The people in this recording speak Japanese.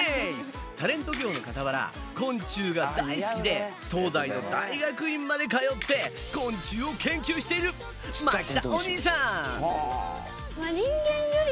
タレント業のかたわら昆虫が大好きで東大の大学院まで通って昆虫を研究している牧田お兄さん！